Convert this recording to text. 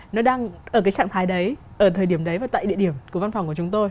nó đang ở cái trạng thái đấy ở thời điểm đấy và tại địa điểm của văn phòng của chúng tôi